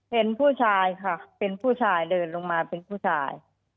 เห็นผู้ชายค่ะเป็นผู้ชายเดินลงมาเป็นผู้ชาย